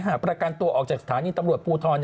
ประกันตัวออกจากสถานีตำรวจภูทร